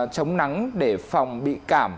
chống nắng để phòng bị cảm